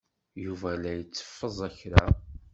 Yuba la itteffeẓ kra.